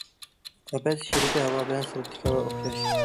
قەپەس، ئىچىدىكى ھاۋا بىلەن سىرتتىكى ھاۋا ئوخشاش.